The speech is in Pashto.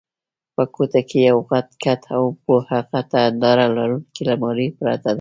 په کوټه کې یو غټ کټ او یوه غټه هنداره لرونکې المارۍ پرته وه.